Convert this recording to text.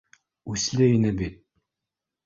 Үсле ине бит